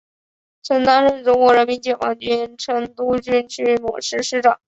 曾担任中国人民解放军成都军区某师师长。